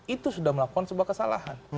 itu sudah melakukan sebuah kesalahan